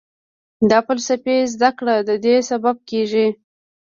د فلسفې زده کړه ددې سبب کېږي.